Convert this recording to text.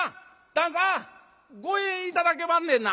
旦さん五円頂けまんねんな？